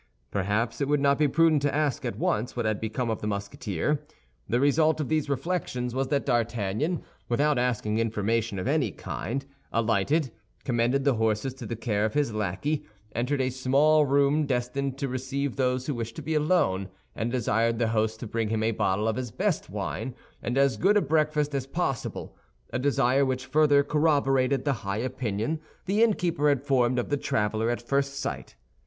Perhaps it would not be prudent to ask at once what had become of the Musketeer. The result of these reflections was that D'Artagnan, without asking information of any kind, alighted, commended the horses to the care of his lackey, entered a small room destined to receive those who wished to be alone, and desired the host to bring him a bottle of his best wine and as good a breakfast as possible—a desire which further corroborated the high opinion the innkeeper had formed of the traveler at first sight.